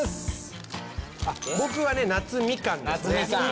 僕はね夏みかんですね。